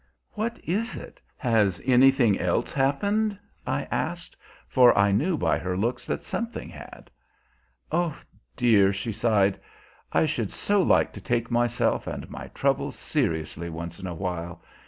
"What is it? Has anything else happened?" I asked; for I knew by her looks that something had. "Oh, dear!" she sighed, "I should so like to take myself and my troubles seriously once in a while.